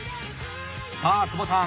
さあ久保さん